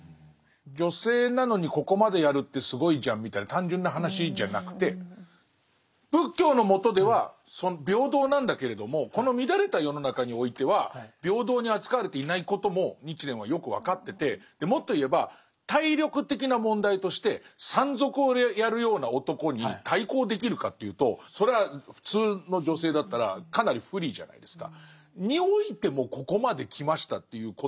女性なのにここまでやるってすごいじゃんみたいな単純な話じゃなくて仏教の下では平等なんだけれどもこの乱れた世の中においてはもっと言えば体力的な問題として山賊をやるような男に対抗できるかというとそれは普通の女性だったらかなり不利じゃないですか。